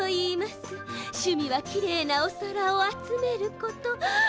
しゅみはきれいなおさらをあつめること。